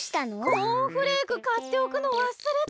コーンフレークかっておくのわすれた！